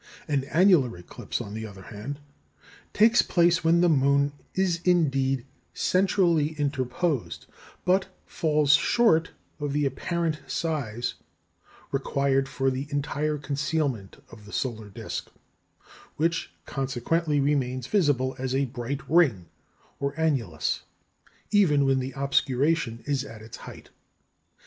An annular eclipse, on the other hand, takes place when the moon is indeed centrally interposed, but falls short of the apparent size required for the entire concealment of the solar disc, which consequently remains visible as a bright ring or annulus, even when the obscuration is at its height.